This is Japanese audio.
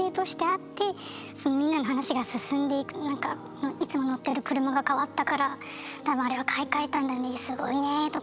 なんか「いつも乗ってる車が変わったから多分あれは買い替えたんだねすごいね」とか。